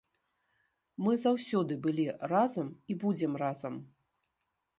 Мы заўсёды былі разам і будзем разам.